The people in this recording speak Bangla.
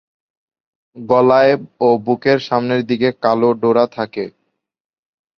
গলায় ও বুকের সামনের দিকে কালো ডোরা থাকে।